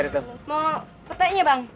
ayat tahu sama kerang